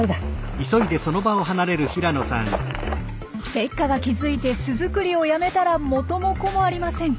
セッカが気付いて巣作りをやめたら元も子もありません。